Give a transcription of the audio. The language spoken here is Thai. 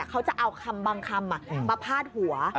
เขาจะเอาคำบางคำมาพาดหัว